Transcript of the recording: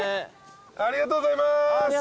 ・ありがとうございます。